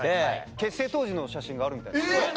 結成当時の写真があるみたいですよ。